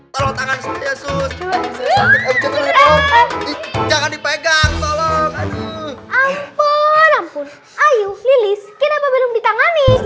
tolong tangan yesus jangan dipegang tolong ampun ampun ayuh lilis kenapa belum ditangani